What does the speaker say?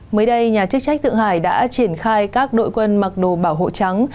mới đây nhà chức trách thượng hải đã triển khai các đội quân mặc đồ bảo hộ trắng